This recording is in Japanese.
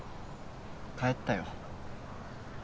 帰ったよ